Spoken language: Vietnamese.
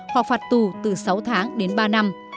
hoặc phạt tù từ sáu tháng đến ba năm